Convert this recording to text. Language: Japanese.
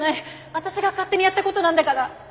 私が勝手にやった事なんだから！